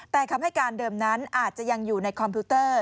แต่คำให้การเดิมนั้นอาจจะยังอยู่ในคอมพิวเตอร์